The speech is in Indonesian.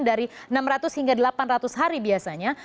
dari enam ratus hingga delapan ratus hari biasanya